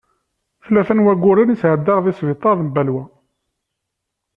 Tlata n wagguren i sεeddaɣ di sbiṭar n Balwa.